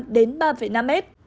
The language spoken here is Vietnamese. đến ba năm mét